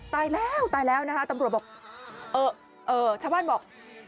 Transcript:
ตายแล้วตายแล้วนะคะตำรวจบอกชาวบ้านบอก